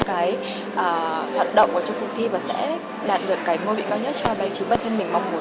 cái hoạt động ở trong cuộc thi và sẽ đạt được cái ngôi vị cao nhất cho bản thân mình mong muốn